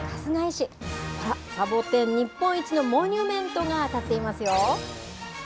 ほら、サボテン日本一のモニュメントが建っていますよ。